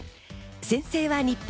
先制は日本。